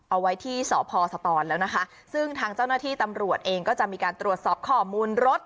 เอาไว้ที่สพสตอนแล้วนะคะซึ่งทางเจ้าหน้าที่ตำรวจเองก็จะมีการตรวจสอบข้อมูลรถ